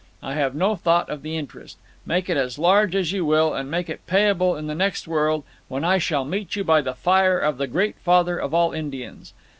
I have no thought of the interest. Make it as large as you will, and make it payable in the next world, when I shall meet you by the fire of the Great Father of all Indians.